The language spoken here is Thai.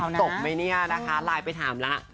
ปิดตบมั้ยเนี่ยนะคะไลน์ไปถามละ